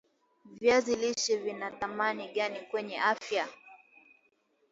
viazi lishe vinathamani gani kwenye afya